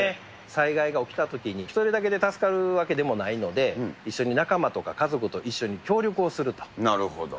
災害が起きたときに、１人だけで助かるわけでもないので、一緒に仲間とか家族と一緒になるほど。